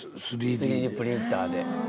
３Ｄプリンターで。